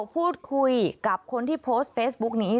พูดคุยกับคนที่โพสต์เฟซบุ๊กนี้